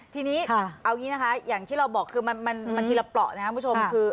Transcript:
ทีนี้เอาอย่างนี้นะคะอย่างที่เราบอกคือมันทีละเปราะนะครับคุณผู้ชมคือ